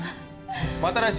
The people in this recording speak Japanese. また来週